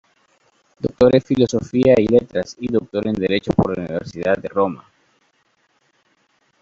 Doctor en Filosofía y Letras y Doctor en Derecho por la Universidad de Roma.